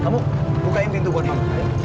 kamu bukain pintu buat kamu